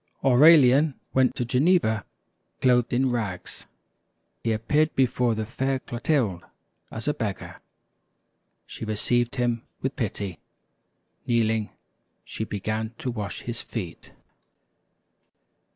Aurelian went to Geneva clothed in rags. He appeared before the fair Clotilde as a beggar. She received him with pity. Kneeling, she began to wash his feet.